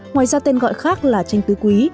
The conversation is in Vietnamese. ngoài ra tên gọi khác là chanh tứ quý